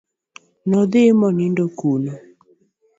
No dhi monindo kuno.